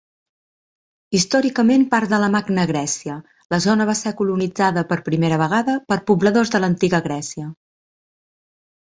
Històricament part de la Magna Grècia, la zona va ser colonitzada per primera vegada per pobladors de l'Antiga Grècia.